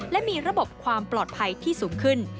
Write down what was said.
และมีระบบความปลอดภัยที่สูงขึ้น